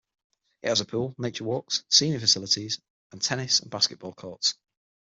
It has a pool, nature walks, senior facilities, and tennis and basketball courts.